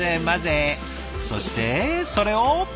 そしてそれを。